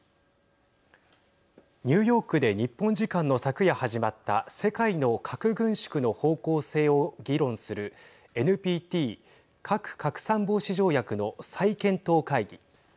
ニューヨークで日本時間の昨夜始まった世界の核軍縮の方向性を議論するＮＰＴ＝核拡散防止条約の再検討会議。